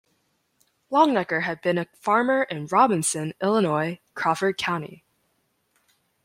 Longenecker had been a farmer in Robinson, Illinois, Crawford Count.